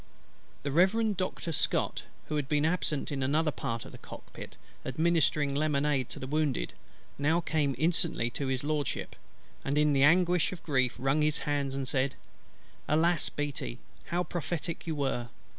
The Reverend Doctor SCOTT, who had been absent in another part of the cockpit administering lemonade to the wounded, now came instantly to His LORDSHIP; and in the anguish of grief wrung his hands, and said: "Alas, BEATTY, how prophetic you were!"